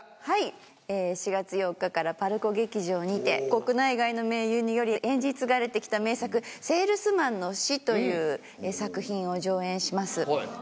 はい４月４日からパルコ劇場にて国内外の名優により演じ継がれて来た名作『セールスマンの死』という作品を上演します。